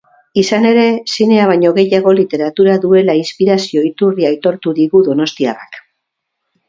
Izan ere, zinea baino gehiago literatura duela inspirazio iturri aitortu digu donostiarrak.